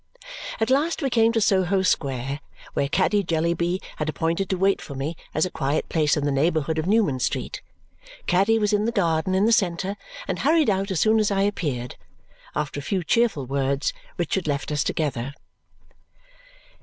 At last we came to Soho Square, where Caddy Jellyby had appointed to wait for me, as a quiet place in the neighbourhood of Newman Street. Caddy was in the garden in the centre and hurried out as soon as I appeared. After a few cheerful words, Richard left us together.